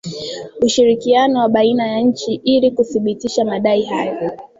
ushirikiano wa baina ya nchi ili kuthibitisha madai hayo